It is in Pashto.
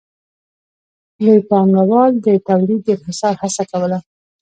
لوی پانګوال د تولید د انحصار هڅه کوله